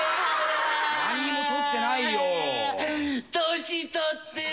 年取ってる。